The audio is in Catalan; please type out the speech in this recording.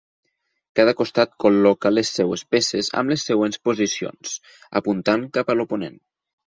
Cada costat col·loca les seves peces amb les següents posicions, apuntant cap a l'oponent.